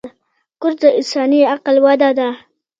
کورس د انساني عقل وده ده.